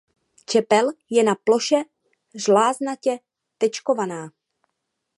Čepel je na ploše žláznatě tečkovaná.